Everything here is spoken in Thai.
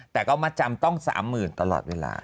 แต่ก็มาจำต้อง๓๐๐๐ตลอดเวลา